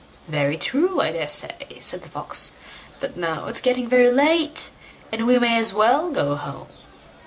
"Very true, I dare say", said the Fox; "but now it's getting very late, and we may as well go home."